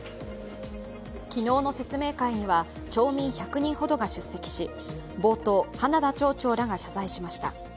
昨日の説明会には町民１００人ほどが出席し、冒頭、花田町長らが謝罪しました。